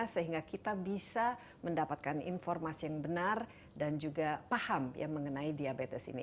sehingga kita bisa mendapatkan informasi yang benar dan juga paham ya mengenai diabetes ini